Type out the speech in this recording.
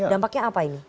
dampaknya apa ini